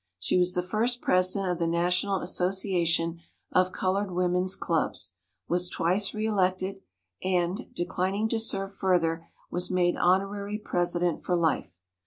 She was the first president of the National As sociation of Colored Women's Clubs, was twice re elected, and, declining to serve fur ther, was made honorary president for life.